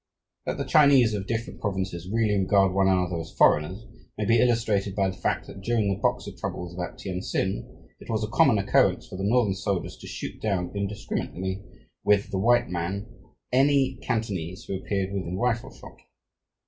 That the Chinese of different provinces really regard one another as foreigners may be illustrated by the fact that, during the Boxer troubles about Tientsin, it was a common occurrence for the northern soldiers to shoot down indiscriminately with the white men any Cantonese who appeared within rifle shot.